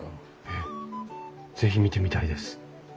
えっ是非見てみたいです。